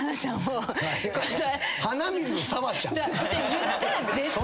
言ったら絶対。